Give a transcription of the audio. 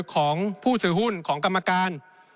ของผู้ถือหุ้นของกรรมการ